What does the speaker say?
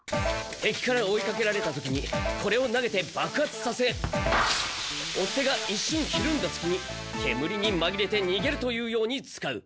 敵から追いかけられた時にこれを投げて爆発させ追っ手がいっしゅんひるんだすきに煙にまぎれてにげるというように使う。